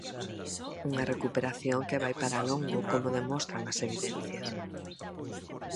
Unha recuperación que vai para longo como demostran as evidencias.